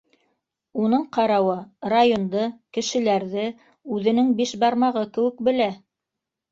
Уның ҡарауы, районды, кешеләрҙе үҙенең биш бармағы кеүек белә.